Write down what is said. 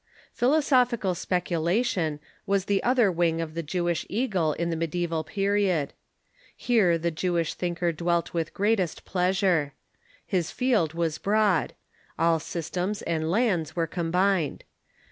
Philosophical speculation was the other wing of the Jewish eagle in the mediaeval period. Here the Jewish thinker dwelt Avith greatest pleasure. His field was broad. All systems and lands were combined.